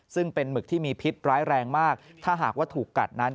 ซึ่งเป็นหมึกที่มีพิษร้ายแรงมากถ้าหากว่าถูกกัดนั้น